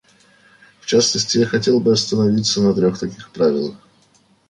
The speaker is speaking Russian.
В частности, я хотел бы остановиться на трех таких правилах.